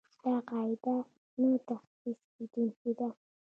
دا قاعده نه تخصیص کېدونکې ده.